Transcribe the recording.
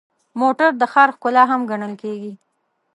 موټر د ښار ښکلا هم ګڼل کېږي.